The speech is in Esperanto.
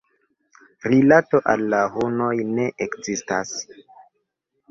Rilato al la hunoj ne ekzistas.